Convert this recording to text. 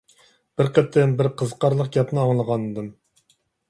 بىر قېتىم بىر قىزىقارلىق گەپنى ئاڭلىغانىدىم.